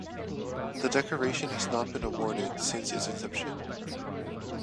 The decoration has not been awarded since its inception.